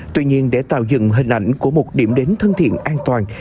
tuy nhiên để tạo dựng hình ảnh của một điểm đến thân thiện an toàn